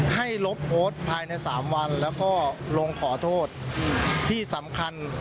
ลบโพสต์ภายในสามวันแล้วก็ลงขอโทษที่สำคัญ